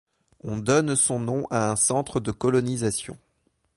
On donne son nom à un centre de colonisation.